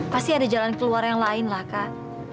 pasti ada jalan keluar yang lain lah kan